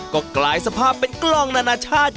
ก็กลายสภาพเป็นกล้องนานาชาติ